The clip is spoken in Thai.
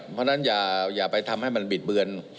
เพราะฉะนั้นอย่าไปทำให้มันบิดเบือน